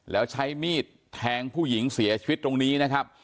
แล้วใช้มีดแทงผู้หญิงเสียชีวิตตรงนี้นะครับ